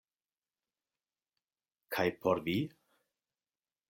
Kaj por vi?